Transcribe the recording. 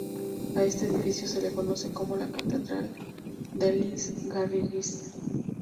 A este edificio se le conoce como "La Catedral de Les Garrigues".